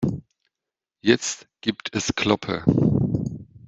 Jetzt gibt es Kloppe.